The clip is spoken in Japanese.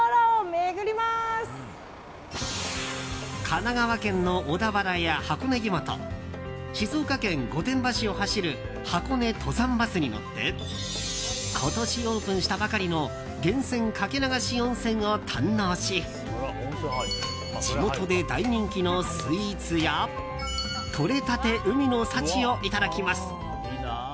神奈川県の小田原や箱根湯本静岡県御殿場市を走る箱根登山バスに乗って今年オープンしたばかりの源泉かけ流し温泉を堪能し地元で大人気のスイーツやとれたて海の幸をいただきます。